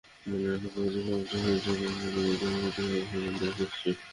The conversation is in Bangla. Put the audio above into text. মনে রাখা প্রয়োজন, সমাজ হচ্ছে পারিপার্শ্বিক প্রতিটি ব্যক্তিসত্তার সমষ্টিগত অবস্থানের দ্বারা সৃষ্ট।